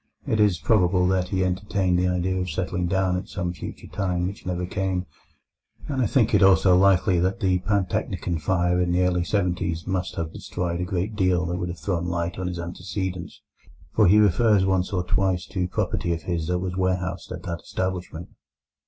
It is probable that he entertained the idea of settling down at some future time which never came; and I think it also likely that the Pantechnicon fire in the early seventies must have destroyed a great deal that would have thrown light on his antecedents, for he refers once or twice to property of his that was warehoused at that establishment.